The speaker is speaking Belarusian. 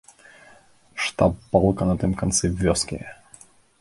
Штаб палка на тым канцы вёскі.